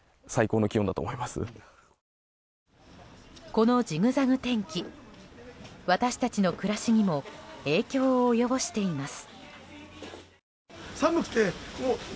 このジグザグ天気私たちの暮らしにも影響を及ぼしています。